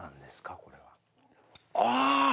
これは。あ！